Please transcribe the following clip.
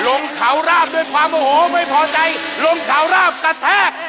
ลงเขาราบด้วยความโอโหไม่พอใจลงเขาราบกระแทก